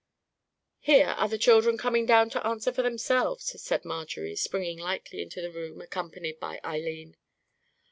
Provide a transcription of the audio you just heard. "Here are the children coming down to answer for themselves," said Marjorie, springing lightly into the room accompanied by Eileen.